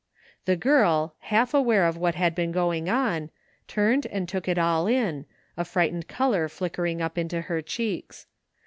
1 o The girl, half aware of what had been going on, ' s turned and took it all in, a frightened color flickering \ i up into her cheeks.